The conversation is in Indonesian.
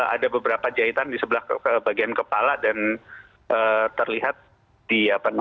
ada beberapa jahitan di sebelah bagian kepala dan terlihat di apa namanya